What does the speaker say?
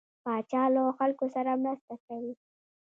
پاچا له خلکو سره مرسته کوي.